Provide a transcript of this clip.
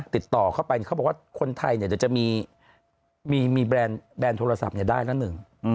ติดต่อเข้าไปเขาบอกว่าคนไทยเนี่ยเดี๋ยวจะมีแบรนด์โทรศัพท์ได้ละหนึ่ง